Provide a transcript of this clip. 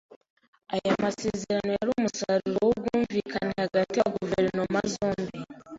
Aya masezerano yari umusaruro w’ubwumvikane hagati ya guverinoma zombi.